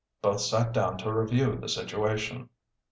Both sat down to review the situation.